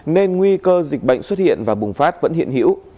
nên nguy cơ dịch bệnh xuất hiện và bùng phát vẫn hiện hữu